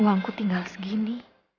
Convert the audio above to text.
uangku tinggal segini